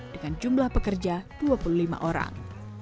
dengan jumlah pekerja dua puluh lima orang